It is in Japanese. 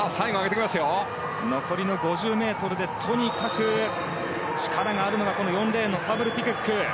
残りの５０ｍでとにかく、力があるのが４レーンのスタブルティ・クック。